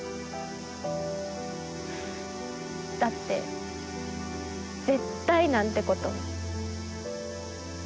だって「絶対」なんてこと。